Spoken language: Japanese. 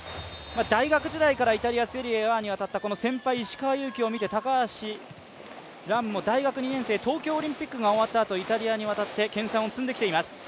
大学時代からイタリア・セリエＡに渡ったこの先輩、石川祐希を見て高橋藍も大学２年生、東京オリンピックが終わったあとにイタリアに渡って研さんを積んできています。